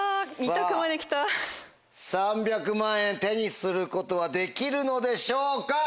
３００万円手にすることはできるのでしょうか？